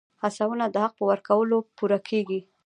هڅونه د حق په ورکولو پوره کېږي.